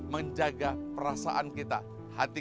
menjaga perasaan kita hati